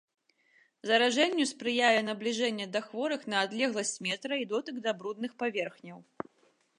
Заражэнню спрыяе набліжэнне да хворых на адлегласць метра і дотык да брудных паверхняў.